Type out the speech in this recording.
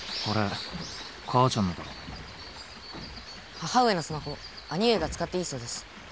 母上のスマホ兄上が使っていいそうです。